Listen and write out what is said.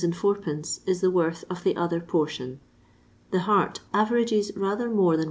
Ad, is the worth of the other portion. The heart averages rather more than Is.